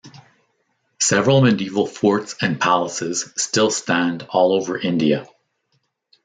Several medieval forts and palaces still stand all over India.